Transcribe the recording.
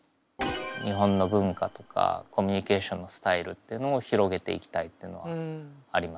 日本の文化とかコミュニケーションのスタイルっていうのを広げていきたいっていうのはありますかね。